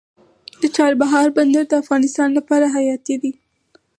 د چابهار بندر د افغانستان لپاره حیاتي دی